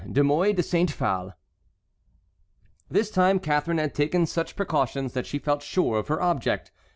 DE MOUY DE SAINT PHALE. This time Catharine had taken such precautions that she felt sure of her object.